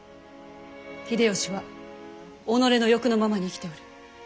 秀吉は己の欲のままに生きておる。